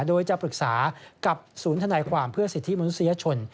โดยจะปรึกษากับศูนย์ธนายความเพื่อสิทธิมนุษยชน